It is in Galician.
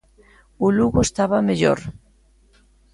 O Lugo estaba mellor.